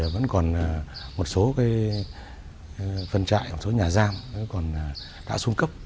vẫn còn một số phân trại một số nhà giam đã xuống cấp